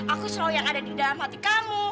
aku selalu yang ada di dalam hati kamu